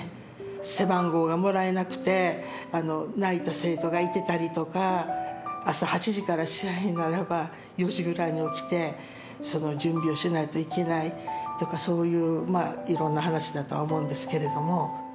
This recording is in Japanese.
背番号がもらえなくて泣いた生徒がいてたりとか朝８時から試合ならば４時ぐらいに起きてその準備をしないといけないとかそういういろんな話だとは思うんですけれども。